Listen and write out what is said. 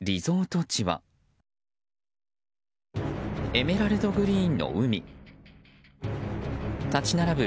エメラルドグリーンの海立ち並ぶ